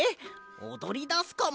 おどりだすかも。